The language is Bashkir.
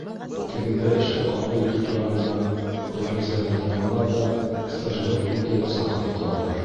Тегендә эшкә ҡабул итеү тураһында ғариза яҙҙыралар ҙа стажировка үтергә саҡырып ҡалалар.